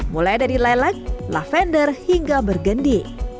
mulai dari lilag lavender hingga bergendi